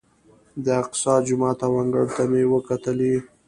د اقصی جومات او انګړ ته مې وکتلې.